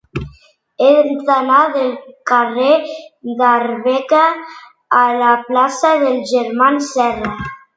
He d'anar del carrer d'Arbeca a la plaça dels Germans Serra.